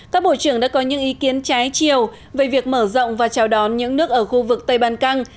các bộ trưởng đã có những ý kiến trái chiều về việc mở rộng và chào đón những nước ở khu vực tây ban căng